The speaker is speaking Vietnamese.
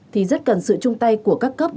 thì rất cần sự chung tay của các cấp